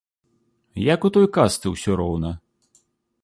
Як у той казцы ўсё роўна.